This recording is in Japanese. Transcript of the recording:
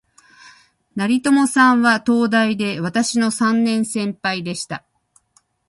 成友さんは、東大で私の三年先輩でした